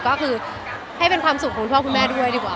ก็คือให้เป็นความสุขของคุณพ่อคุณแม่ด้วยดีกว่า